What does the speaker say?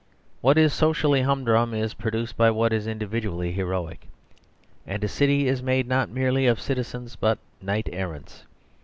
What is socially humdrum is produced by what is individually heroic ; and a city is made not merely of citizens but knight errants.